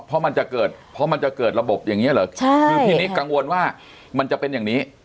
เพราะมันจะเกิดระบบอย่างนี้เหรอคือพี่นิกกังวลว่ามันจะเป็นอย่างนี้